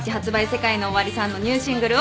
ＳＥＫＡＩＮＯＯＷＡＲＩさんのニューシングルを。